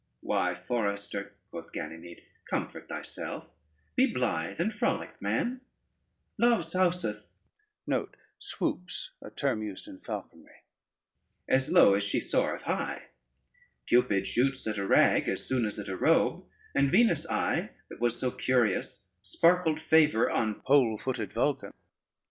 ] "Why, forester," quoth Ganymede, "comfort thyself; be blithe and frolic man. Love souseth as low as she soareth high: Cupid shoots at a rag as soon as at a robe; and Venus' eye that was so curious, sparkled favor on pole footed Vulcan.